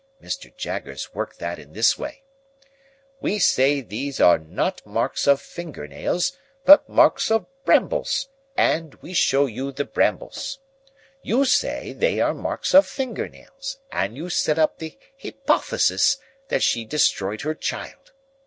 Mr. Jaggers worked that in this way: "We say these are not marks of finger nails, but marks of brambles, and we show you the brambles. You say they are marks of finger nails, and you set up the hypothesis that she destroyed her child.